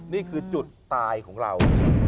นี่คือจุดตายของเรา